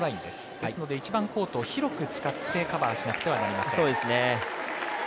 ですのでコートを広く使ってカバーしなくてはなりません。